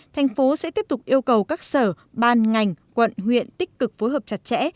thành phố sẽ tiếp tục yêu cầu các sở ban ngành quận huyện tích cực phối hợp chặt chẽ